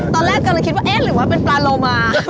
ตอนแรกกำลังคิดว่าเอ๊ะหรือว่าเป็นปลาโลมา